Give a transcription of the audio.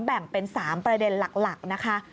แบ่งเป็น๓ประเด็นหลักนะคะ